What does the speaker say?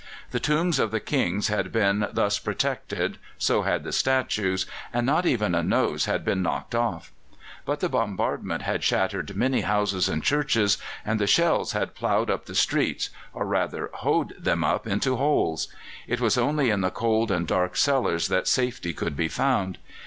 The tombs of the kings had all been thus protected, so had the statues, and not even a nose had been knocked off. But the bombardment had shattered many houses and churches, and the shells had ploughed up the streets, or rather hoed them into holes. It was only in the cold and dark cellars that safety could be found.